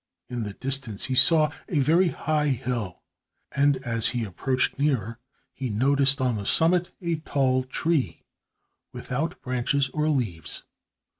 In the distance he saw a very high hill and as he approached nearer he noticed on the summit a tall tree, without branches or leaves.